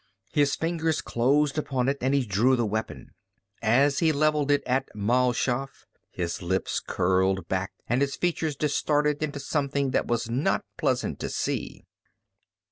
His fingers closed upon it and he drew the weapon. As he leveled it at Mal Shaff, his lips curled back and his features distorted into something that was not pleasant to see.